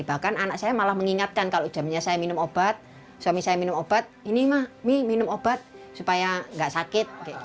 bahkan anak saya malah mengingatkan kalau jamnya saya minum obat suami saya minum obat mie minum obat supaya nggak sakit